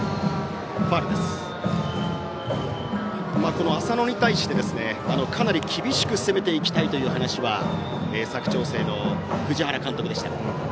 この浅野に対してかなり厳しく攻めていきたいという話は佐久長聖の藤原監督でした。